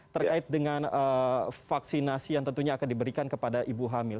terkait dengan vaksinasi yang tentunya akan diberikan kepada ibu hamil